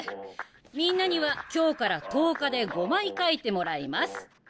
みんなには今日から１０日で５枚描いてもらいます。